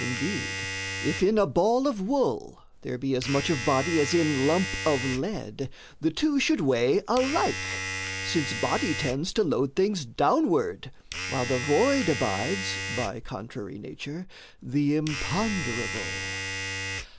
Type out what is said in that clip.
Indeed, if in a ball of wool there be As much of body as in lump of lead, The two should weigh alike, since body tends To load things downward, while the void abides, By contrary nature, the imponderable.